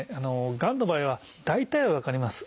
がんの場合は大体は分かります。